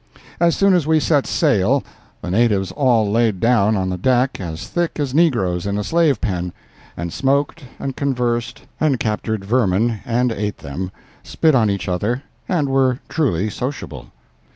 As soon as we set sail the natives all laid down on the deck as thick as negroes in a slave pen, and smoked and conversed and captured vermin and ate them, spit on each other, and were truly sociable.